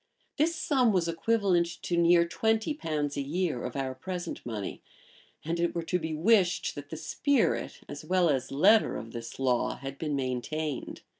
[*] This sum was equivalent to near twenty pounds a year of our present money, and it were to be wished, that the spirit, as well as letter, of this law had been maintained.